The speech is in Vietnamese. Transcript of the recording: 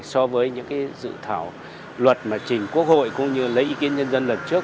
so với những dự thảo luật mà trình quốc hội cũng như lấy ý kiến nhân dân lần trước